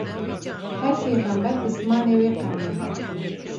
her pêyxember bi zimanê wê qewmê hatiye.